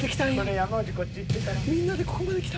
山内こっち言ってた。